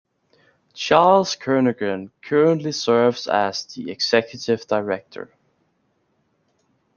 Charles Kernaghan currently serves as the Executive Director.